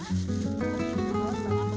ya ini juga bagus ya